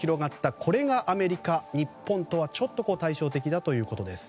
これがアメリカ、日本とはちょっと対照的だということです。